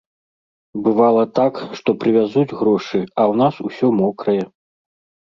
Бывала так, што прывязуць грошы, а ў нас усё мокрае.